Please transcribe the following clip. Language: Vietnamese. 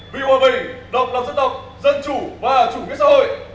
vì hòa bình độc lập dân tộc dân chủ và chủ nghĩa xã hội